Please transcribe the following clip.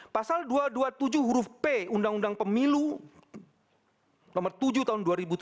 pasal dua ratus dua puluh tujuh huruf p undang undang pemilu nomor tujuh tahun dua ribu tujuh belas